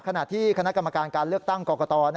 ขณะที่คณะกรรมการการเลือกตั้งกรกต